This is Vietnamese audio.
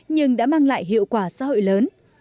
nhưng đã mang lại hiệu quả xã hội lớn